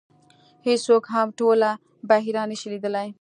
هېڅوک هم ټوله بحیره نه شي لیدلی .